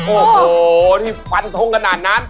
โอ้โหนี่ฟันทงขนาดนั้น